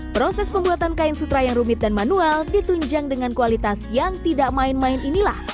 proses pembuatan kain sutra yang rumit dan manual ditunjang dengan kualitas yang tidak main main inilah